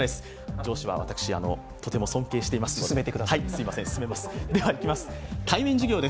上司は私、とても尊敬していますので。